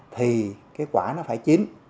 thì cái quả nó phải chín